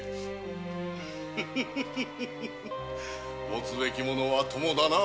持つべきものは友だな。